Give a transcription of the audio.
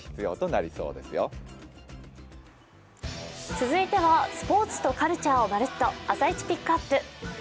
続いてはスポーツとカルチャーをまるっと「朝イチＰＩＣＫＵＰ！」